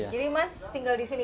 jadi mas tinggal di sini